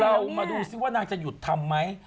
เรามาดูซิว่านางจะหยุดทำไหม